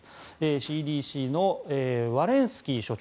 ＣＤＣのワレンスキー所長。